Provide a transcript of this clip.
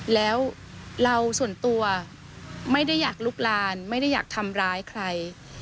แล้วเราส่วนตัวไม่ได้อยากลุกลานไม่ได้อยากทำร้ายใคร